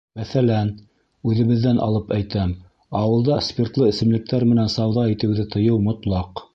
Мәҫәлән, үҙебеҙҙән алып әйтәм, ауылда спиртлы эсемлектәр менән сауҙа итеүҙе тыйыу мотлаҡ.